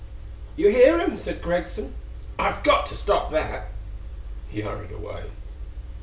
] "You hear him?" said Greggson. "I've got to stop that." He hurried away.